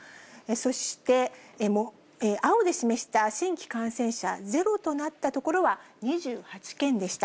そして青で示した新規感染者ゼロとなった所は２８県でした。